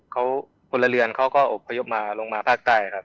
เขาพลเรือนเขาก็อบพยพมาลงมาภาคใต้ครับ